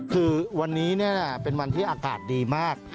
คือวันนี้เป็นวันที่อากาศดีมาก